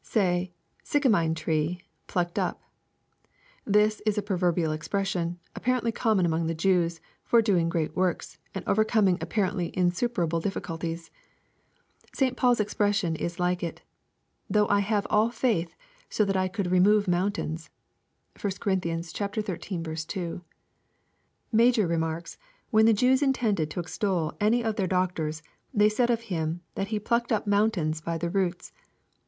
[Say...sycamine tree...plucked up.] This is a proverbial expres sion, apparently common among the Jews, for doing great works, and overcoming apparently insuperable diflBlculties. St. Paul's expression is like it, " though I have all faith, so that I could re move mountains." (1 Cor. xiii. 2.) Major remarks, " When the Jews intended to extol any of their doctors, they said of him, that he plucked up mountains by the roots."